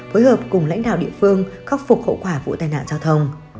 phối hợp cùng lãnh đạo địa phương khắc phục hậu quả vụ tai nạn giao thông